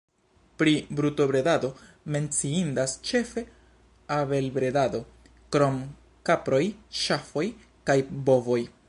Pri brutobredado menciindas ĉefe abelbredado, krom kaproj, ŝafoj kaj bovoj.